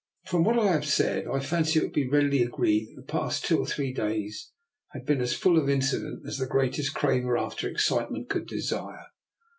From what I have said I fancy it will be readily agreed that the past two or three days had been as full of incident as the greatest craver after excitement could desire.